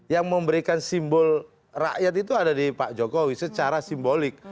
yang memberikan simbol rakyat itu ada di pak jokowi secara simbolik